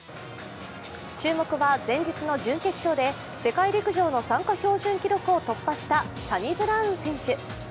注目は前日の準決勝で世界陸上の参加標準記録を突破したサニブラウン選手。